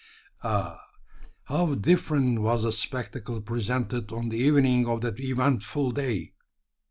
Ah! how different was the spectacle presented on the evening of that eventful day!